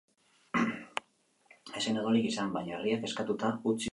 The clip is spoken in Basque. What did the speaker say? Ez zen odolik izan, baina herria kezkatuta utzi zuen oso.